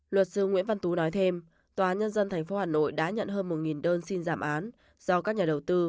luật sư nguyễn văn tú nói thêm tòa nhân dân tp hà nội đã nhận hơn một đơn xin giảm án do các nhà đầu tư